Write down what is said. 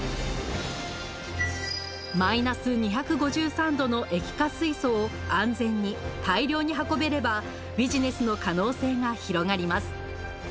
マイナス２５３℃の液化水素を安全に大量に運べればビジネスの可能性が広がります。